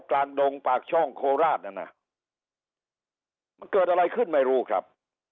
ดงปากช่องโคราชน่ะนะมันเกิดอะไรขึ้นไม่รู้ครับ